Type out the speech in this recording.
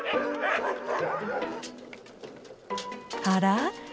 あら？